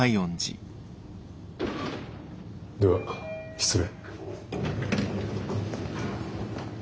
では失礼。